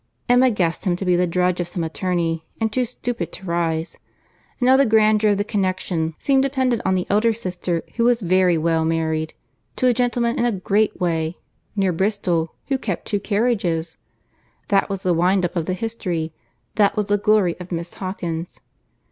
Emma guessed him to be the drudge of some attorney, and too stupid to rise. And all the grandeur of the connexion seemed dependent on the elder sister, who was very well married, to a gentleman in a great way, near Bristol, who kept two carriages! That was the wind up of the history; that was the glory of Miss Hawkins.